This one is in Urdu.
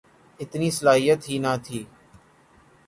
اتنی صلاحیت ہی نہ تھی۔